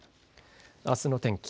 あすの天気。